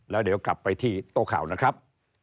แล้วเดี๋ยวกลับไปที่โต๊ะข่าวนะครับ